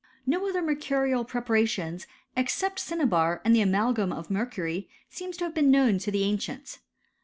No other mercurial preparationi except cinnabar and the amalgam of mercury seeni to have been known to the ancients.